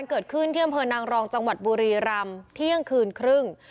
เกิดขึ้นที่อำเภอนางรองจังหวัดบุรีรำเที่ยงคืนครึ่ง